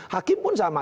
hakim pun sama